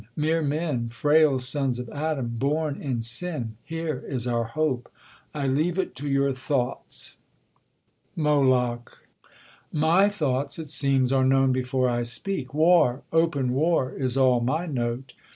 Mere men, frail sons of Adam, born in sin. Jlsra is our hope. I leave it to your thoughts. THE C0LUMBIA2N ORATOR. 207 Muluch, My thoiiglits it seems are known before I speak ; War, o})cn war is all my note.